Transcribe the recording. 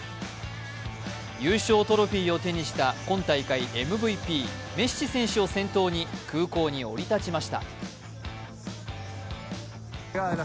優勝トロフィーを手にした今大会ＭＶＰ、メッシ選手を先頭に空港に降り立ちました。